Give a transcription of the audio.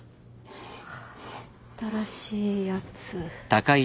新しいやつ。